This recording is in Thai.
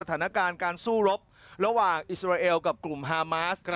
สถานการณ์การสู้รบระหว่างอิสราเอลกับกลุ่มฮามาส